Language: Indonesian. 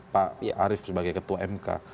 pak arief sebagai ketua mk